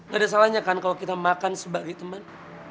gak ada salahnya kan kalau kita makan sebagai teman